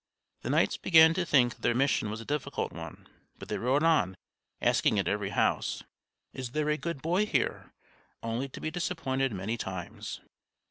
The knights began to think that their mission was a difficult one; but they rode on, asking at every house: "Is there a good boy here?" only to be disappointed many times.